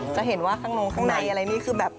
จะเห็นว่าข้างนู้นข้างในอะไรนี่คือแบบ